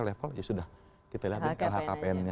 level ya sudah kita lihat lhkpn nya